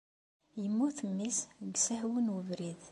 Yemmut mmi-s deg usehwu n ubrid.